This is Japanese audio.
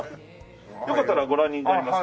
よかったらご覧になりますか？